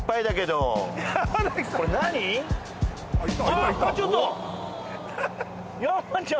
あっちょっと！